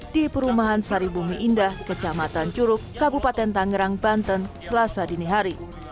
di perumahan sari bumi indah kecamatan curug kabupaten tangerang banten selasa dini hari